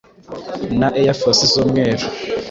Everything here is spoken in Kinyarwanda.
na ‘Air Force’ z’umweru